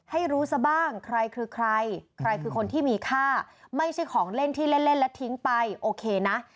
ให้รู้ซะบ้างใครคือใครใครคือคนที่มีค่าไม่ใช่ของเล่นที่เล่นเล่นและทิ้งไปโอเคนะ